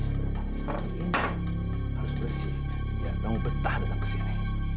masih berapa hari seperti ini harus bersih biar tamu betah datang ke sini